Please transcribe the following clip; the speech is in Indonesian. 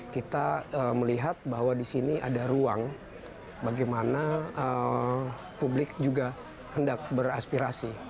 kita melihat bahwa di sini ada ruang bagaimana publik juga hendak beraspirasi